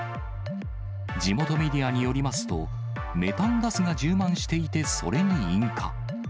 地元メディアによりますと、メタンガスが充満していて、それに引火。